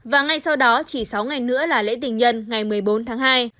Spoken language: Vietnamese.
và ngay sau đó chỉ sáu ngày nữa là lễ tình nhân ngày một mươi bốn tháng hai